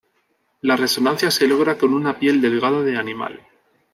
La resonancia se logra con una piel delgada de animal.